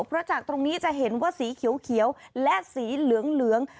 เพราะจากตรงนี้จะเห็นว่าสีเขียวและสีเหลือง